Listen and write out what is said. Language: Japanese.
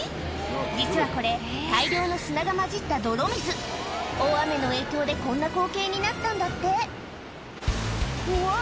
実はこれ大量の砂が交じった大雨の影響でこんな光景になったんだってうわ